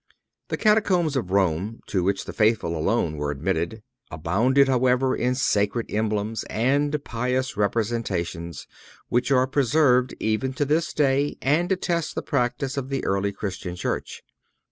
The catacombs of Rome, to which the faithful alone were admitted, abounded, however, in sacred emblems and pious representations, which are preserved even to this day and attest the practice of the early Christian Church.